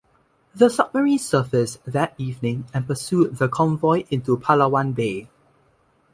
The submarine surfaced that evening and pursued the convoy into Palawan Bay.